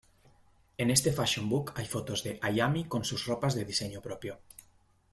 En este fashion book hay fotos de Hayami con sus ropas de diseño propio.